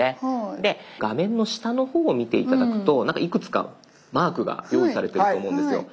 で画面の下の方を見て頂くとなんかいくつかマークが用意されていると思うんですよ。